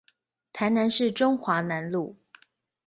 臺南市中華南路